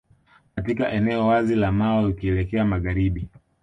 Katika eneo wazi la mawe ukielekea magharibi